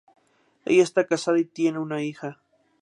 Ella está casada y tiene una hija.